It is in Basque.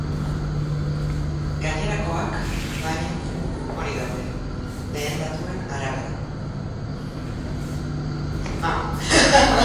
Gainerakoak, baina, onik daude, lehen datuen arabera.